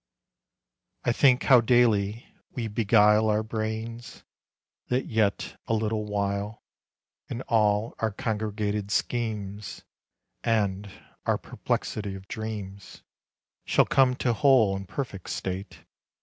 I think how daily we beguile Our brains, that yet a little while And all our congregated schemes And our perplexity of dreams, Shall come to whole and perfect state.